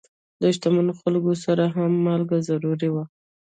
د شتمنو خلکو سره هم مالګه ضرور وه.